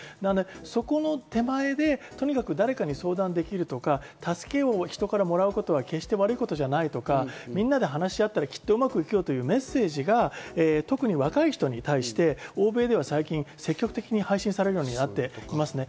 そこの手前で誰かに相談できるとか助けを人からもらうことは決して悪いことじゃないとか、みんなで話し合ったらきっとうまくいくよというメッセージが、特に若い人に対して、欧米では最近積極的に配信されるようになっていますね。